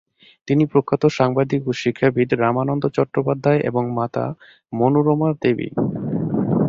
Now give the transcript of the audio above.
পিতা প্রখ্যাত সাংবাদিক ও শিক্ষাবিদ রামানন্দ চট্টোপাধ্যায় এবং মাতা মনোরমা দেবী।